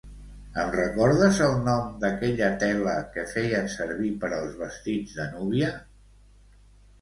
Em recordes el nom d'aquella tela que feien servir per als vestits de núvia?